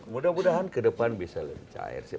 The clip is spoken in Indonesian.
mudah mudahan ke depan bisa lebih cair sih